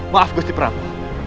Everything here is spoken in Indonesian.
maaf gusti prabu